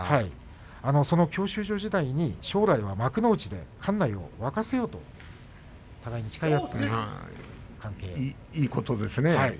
教習所時代に将来は幕内で館内を沸かせようといいことですね。